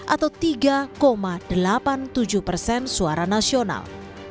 atau tiga delapan puluh tujuh persen suara nasional